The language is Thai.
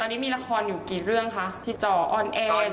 ตอนนี้มีละครอยู่กี่เรื่องคะที่จออนแอร์